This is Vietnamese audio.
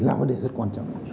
là vấn đề rất quan trọng